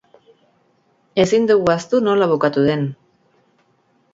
Ezin dugu ahaztu nola bukatu den.